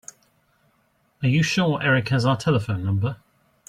Are you sure Erik has our telephone number?